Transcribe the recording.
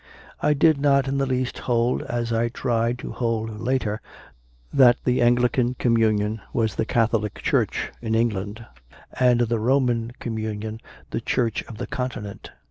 I did not in the least hold, as I tried to hold later, that the Anglican communion was the "Catholic Church" in England, and the Roman communion the Church of the Continent.